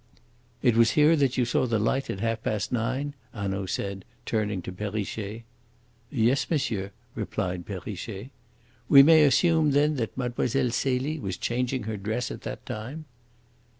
"It was here that you saw the light at half past nine?" Hanaud said, turning to Perrichet. "Yes, monsieur," replied Perrichet. "We may assume, then, that Mlle. Celie was changing her dress at that time."